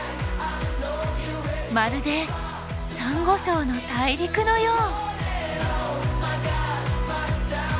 まるでサンゴ礁の大陸のよう！